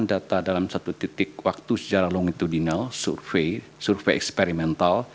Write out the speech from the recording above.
kita melakukan data dalam satu titik waktu secara longitudinal survei survei eksperimental